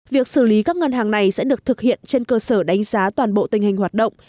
việc xử lý các ngân hàng này sẽ được thực hiện trên cơ sở đánh giá toàn bộ tình hình hoạt động